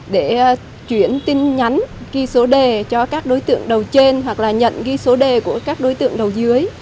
để chuyển tin nhắn ghi số đề cho các đối tượng đầu trên hoặc là nhận ghi số đề của các đối tượng đầu dưới